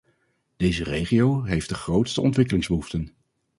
Deze regio heeft de grootste ontwikkelingsbehoeften.